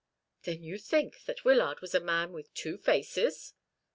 "Then you think that Wyllard was a man with two faces?"